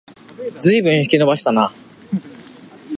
ずいぶん引き延ばしたな